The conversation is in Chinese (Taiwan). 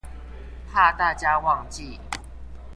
怕大家忘記